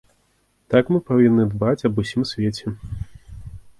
Так мы павінны дбаць аб усім свеце.